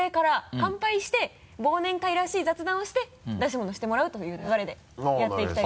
乾杯して忘年会らしい雑談をして出し物してもらうという流れでやっていきたいと思います。